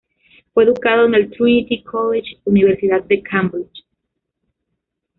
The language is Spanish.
Fue educado en el Trinity College, Universidad de Cambridge.